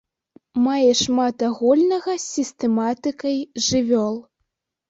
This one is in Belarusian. Мае шмат агульнага з сістэматыкай жывёл.